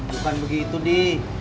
bukan begitu di